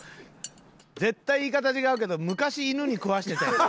絶対言い方違うけど昔犬に食わしてたやつ。